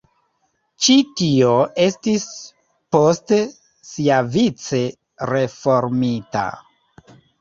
Ĉio tio estis poste siavice reformita.